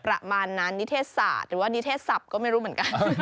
ประมาณนั้นนิเทศศาสตร์หรือว่านิเทศศัพท์ก็ไม่รู้เหมือนกัน